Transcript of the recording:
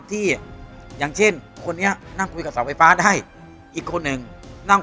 อย่างเช่นคนนี้นั่งคุยกับเสาไฟฟ้าได้อีกคนหนึ่งนั่ง